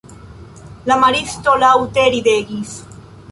La maristo laŭte ridegis.